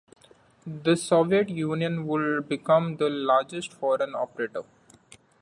The Soviet Union would become the largest foreign operator.